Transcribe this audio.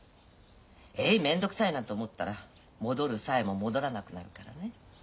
ええい面倒くさい！なんて思ったら戻るさやも戻らなくなるからね。